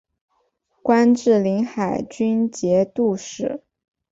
官至临海军节度使。